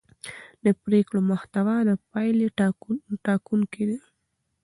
د پرېکړو محتوا د پایلې ټاکونکې ده